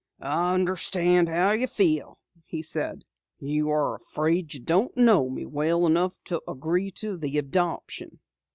"I understand how you feel," he said. "You are afraid you don't know me well enough to agree to the adoption."